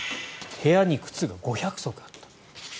部屋に靴が５００足あった。